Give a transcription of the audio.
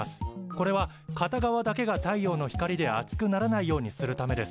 これは片側だけが太陽の光で熱くならないようにするためです。